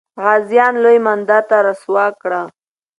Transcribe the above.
غازیان لوی مانده ته را سوه کړه.